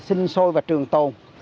sinh sôi và trường tồn